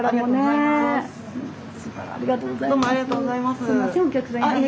ありがとうございます。